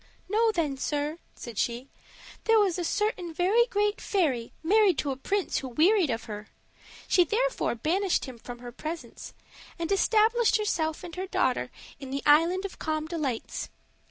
"Know then, sir," said she, "there was a certain very great fairy married to a prince who wearied of her: she therefore banished him from her presence, and established herself and daughter in the Island of Calm Delights.